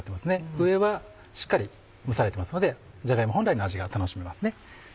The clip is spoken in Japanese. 上はしっかり蒸されてますのでじゃが芋本来の味が楽しめますね。